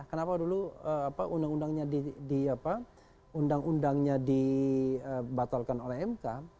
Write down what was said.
kenapa dulu undang undangnya dibatalkan oleh mk